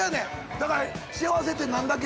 だから幸せってなんだっけ